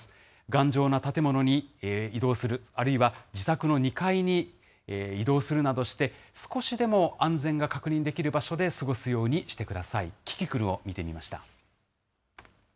頑丈な建物に移動する、あるいは自宅の２階に移動するなどして、少しでも安全が確認できる場所で過ごすようにしてください。